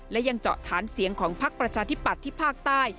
และยังเจาะฐานเสียงของพักประชาธิปัตย์ที่ภาคใต้